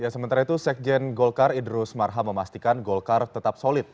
sementara itu sekjen golkar idrus marham memastikan golkar tetap solid